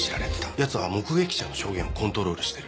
ヤツは目撃者の証言をコントロールしてる。